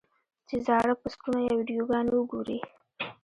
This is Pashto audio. چې زاړۀ پوسټونه يا ويډيوګانې اوګوري -